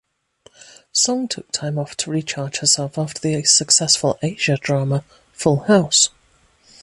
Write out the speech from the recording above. Song took time off to recharge herself after the successful asia drama "Full House".